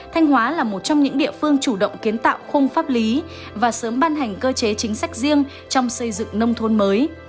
thanh hóa là một trong những địa phương chủ động kiến tạo khung pháp lý và sớm ban hành cơ chế chính sách riêng trong xây dựng nông thôn mới